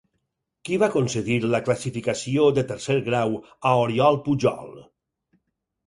Qui va concedir la classificació de tercer grau a Oriol Pujol?